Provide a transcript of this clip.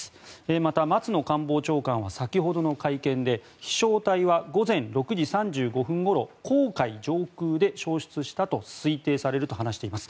また松野官房長官は先ほどの会見で飛翔体は午前６時３５分ごろ黄海上空で消失したと推定されると話しています。